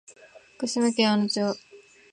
福島県小野町